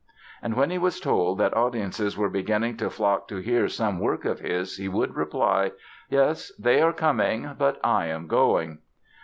And when he was told that audiences were beginning to flock to hear some work of his he would reply: "Yes, they are coming; but I am going!"